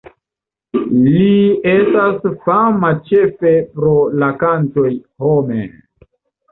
Li estas fama ĉefe pro la kantoj "Home!